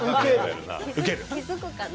気付くかな。